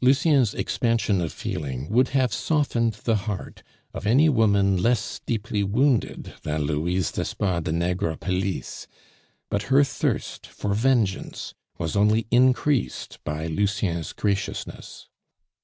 Lucien's expansion of feeling would have softened the heart of any woman less deeply wounded than Louise d'Espard de Negrepelisse; but her thirst for vengeance was only increased by Lucien's graciousness.